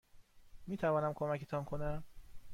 میتوانم کمکتان کنم؟